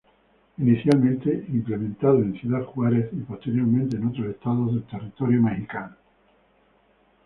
Inicialmente implementado en Ciudad Juárez y posteriormente en otros estados del territorio mexicano.